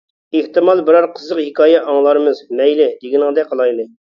ئېھتىمال بىرەر قىزىق ھېكايە ئاڭلارمىز؟ -مەيلى، دېگىنىڭدەك قىلايلى.